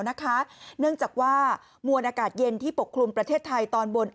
เนื่องจากว่ามวลอากาศเย็นที่ปกคลุมประเทศไทยตอนบน